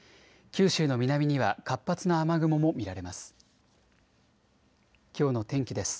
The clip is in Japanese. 九州の南には活発な雨雲も見られます。